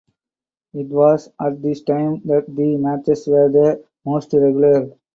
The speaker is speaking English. It was at this time that the matches were the most regular.